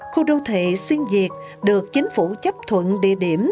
khu đô thị xiên diệt được chính phủ chấp thuận địa điểm